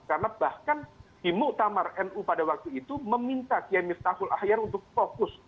karena bahkan di muqtamar nu pada waktu itu meminta qiyai mustaful ahyar untuk fokus